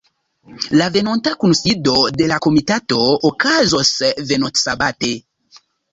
La venonta kunsido de la komitato okazos venontsabate.